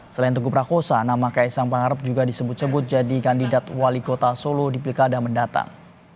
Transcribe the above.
selain teguh prakosa nama kaisang pangarep juga disebut sebut jadi kandidat wali kota solo di pilkada mendatang